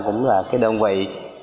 cũng là đơn vị